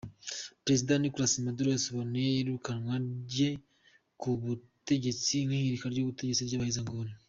Perezida Nicolás Maduro yasobanuye iyirukanwa rye ku butegetsi nk' "ihirika ry'ubutegetsi ry'abahezanguni.